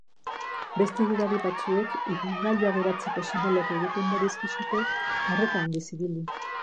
Beste gidari batzuek ibilgailua geratzeko seinaleak egiten badizkizute, arreta handiz ibili.